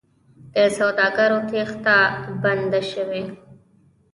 د سوداګرو تېښته بنده شوې؟